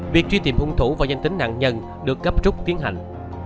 việc truy tìm hung thủ và danh tính nạn nhân được cấp trúc tiến hành